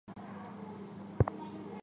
我难道是一个苟且偷生的人吗？